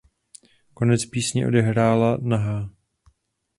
Konec písně odehrála nahá.